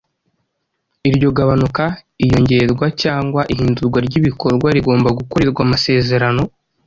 Iryo gabanuka, iyongerwa cyangwa ihindurwa ry’ibikorwa rigomba gukorerwa amasezerano